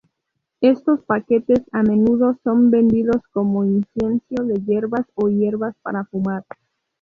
Estos paquetes a menudo son vendidos como incienso de hierbas o "hierbas para fumar".